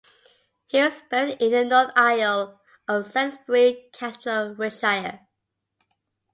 He was buried in the north aisle of Salisbury Cathedral, Wiltshire.